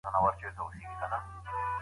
ایا د شنه چای استعمال د بدن زهرجن مواد وباسي؟